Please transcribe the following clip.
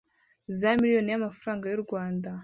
zamiliyoni yamafaranga yu rwanda